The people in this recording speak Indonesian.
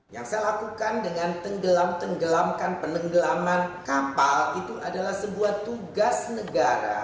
yang saya lakukan dengan tenggelam tenggelamkan penenggelaman kapal itu adalah sebuah tugas negara